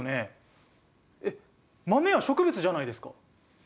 えっ豆は植物じゃないですか。